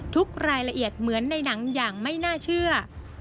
ทุกรายละเอียดเหมือนในหนังอย่างไม่น่าเชื่อ